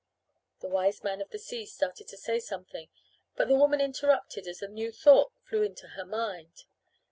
The Wiseman of the Sea started to say something, but the woman interrupted as a new thought flew into her mind.